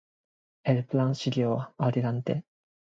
El plan siguió adelante.